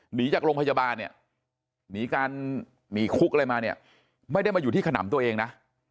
หนีจากโรงพยาบาลเนี่ยหนีการหนีคุกอะไรมาเนี่ยไม่ได้มาอยู่ที่ขนำตัวเองนะ